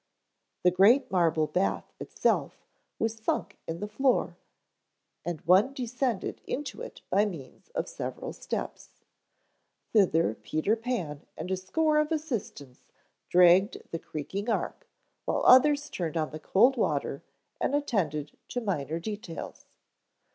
The great marble bath itself was sunk in the floor and one descended into it by means of several steps. Thither Peter Pan and a score of assistants dragged the creaking ark, while others turned on the cold water and attended to minor details.